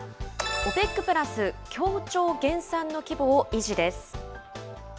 ＯＰＥＣプラス、協調減産の規模を維持です。